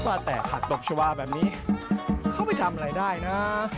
ว่าแต่ผักตบชาวาแบบนี้เขาไปทำอะไรได้นะ